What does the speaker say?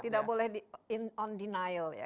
tidak boleh on denial ya